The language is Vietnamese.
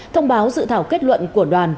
thông báo dự thảo kết luận của đoàn